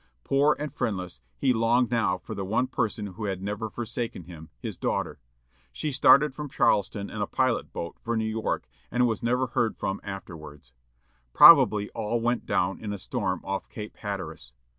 Poor and friendless, he longed now for the one person who had never forsaken him, his daughter. She started from Charleston in a pilot boat, for New York, and was never heard from afterwards. Probably all went down in a storm off Cape Hatteras.